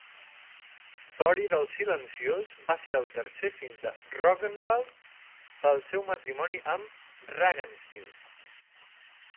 Thorir el Silenciós va ser el tercer fill de Rognvald pel seu matrimoni amb Ragnhild.